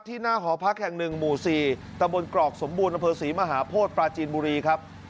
หน้าหอพักแห่ง๑หมู่๔ตะบนกรอกสมบูรณอำเภอศรีมหาโพธิปราจีนบุรีครับ